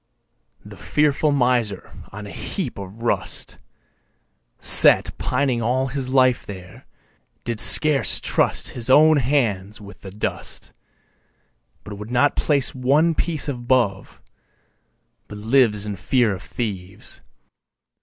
3. The fearful miser on a heap of rust Sat pining all his life there, did scarce trust His own hands with the dust, But would not place one piece above, but lives In fear of thieves.